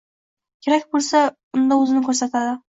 Kerak boʻlsa, unda oʻzini koʻrsatidi